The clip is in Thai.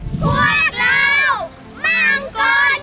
มังกอนจิ๋ว